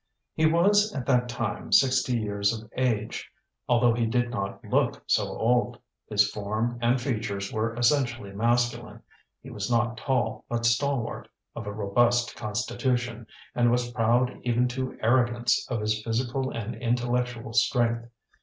He was at that time sixty years of age, although he did not look so old; his form and features were essentially masculine; he was not tall, but stalwart; of a robust constitution, and was proud even to arrogance of his physical and intellectual strength.